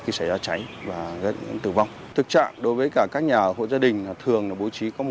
khi xảy ra cháy và gần tử vong thực trạng đối với cả các nhà ở hộ gia đình thường là bố trí có một